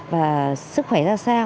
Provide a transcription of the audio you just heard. và sức khỏe ra sao